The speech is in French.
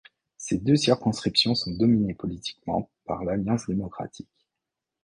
Ces deux circonscriptions sont dominées politiquement par l'Alliance démocratique.